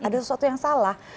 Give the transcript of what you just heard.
ada sesuatu yang salah